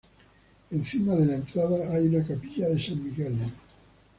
Encima de la entrada hay una capilla de San Miguel.